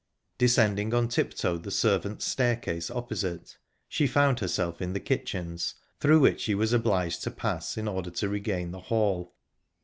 Descending on tip toe the servants' staircase opposite, she found herself in the kitchens, through which she was obliged to pass in order to regain the hall.